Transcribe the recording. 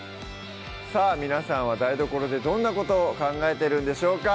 さぁ皆さんは台所でどんなことを考えてるんでしょうか？